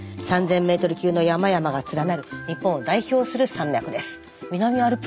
３，０００メートル級の山々が連なる日本を代表する山脈です。